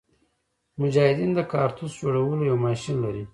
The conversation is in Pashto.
مجاهدین د کارتوس جوړولو یو ماشین لري.